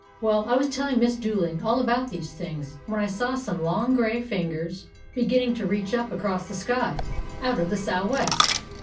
"Well, I was telling Miss Dewing all about these things when I saw some long gray fin gers beginning to reach up across the sky, out of the sou west.